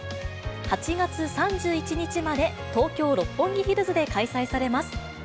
８月３１日まで、東京・六本木ヒルズで開催されます。